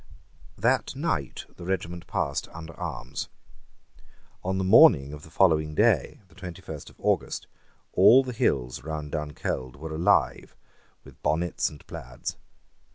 That night the regiment passed under arms. On the morning of the following day, the twenty first of August, all the hills round Dunkeld were alive with bonnets and plaids.